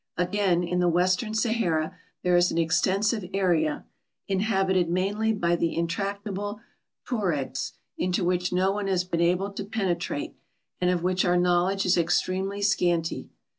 Again, in the western Sahara there is an extensive area, inhabited mainly by the in tractable Tuaregs, into which no one has been able to penetrate, and of which our knowledge is extremely scanty.